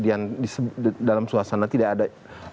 dalam suasana tidak ada